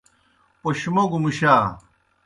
پوْش موگو مُشا۔